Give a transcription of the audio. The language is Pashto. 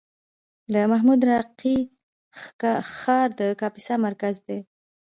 د محمود راقي ښار د کاپیسا مرکز دی